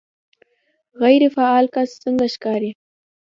غیر فعال کس څنګه ښکاري